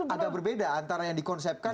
agak berbeda antara yang dikonsepkan